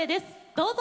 どうぞ。